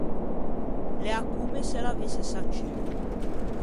L’ea comme se l’avesse sacciuo.